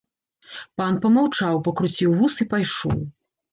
Пан памаўчаў, пакруціў вус і пайшоў.